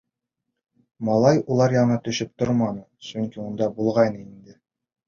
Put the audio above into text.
Малай улар янына төшөп торманы, сөнки унда булғайны инде.